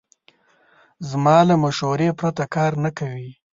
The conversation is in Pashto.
زما له مشورې پرته کار نه کوي.